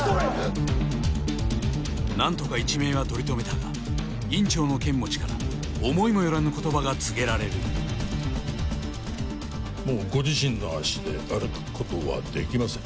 何とか一命は取り留めたが院長の剣持から思いもよらぬ言葉が告げられるもうご自身の足で歩くことはできません